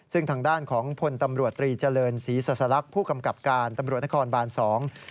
ซึ่งทางด้านของผลตำรวจตรีเจริญศรีษษลักษณ์